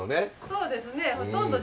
そうですねえ